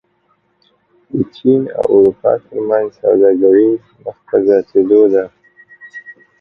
د چین او اروپا ترمنځ سوداګري مخ په زیاتېدو ده.